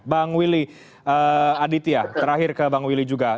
bang willy aditya terakhir ke bang willy juga